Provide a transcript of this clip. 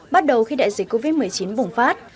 bắt đầu khi đại dịch covid một mươi chín bùng phát